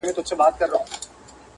نو یوازې د الله تعالی د رحمت له امله